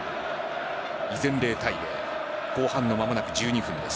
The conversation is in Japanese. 依然、０対０後半の間もなく１２分です。